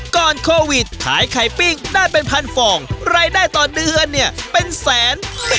ก่อนโควิดขายไข่ปิ้งได้เป็นพันฟองรายได้ต่อเดือนเนี่ยเป็นแสน